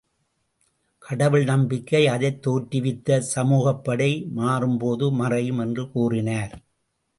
கடவுள் நம்பிக்கை, அதைத் தோற்றுவித்த சமூகப்படை மாறும்போது மறையும் என்று கூறினார்.